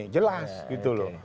jelas gitu loh